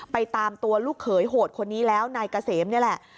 ตามตัวลูกเขยโหดคนนี้แล้วนายเกษมนี่แหละ